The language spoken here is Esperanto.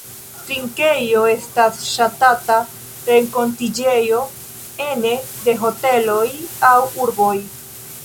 Trinkejo estas ŝatata renkontiĝejo ene de hoteloj aŭ urboj.